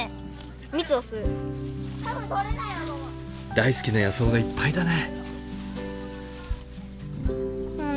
大好きな野草がいっぱいだね。